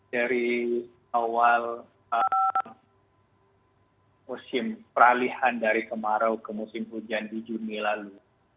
dari awal musim peralihan dari kemarau ke musim hujan di juni lalu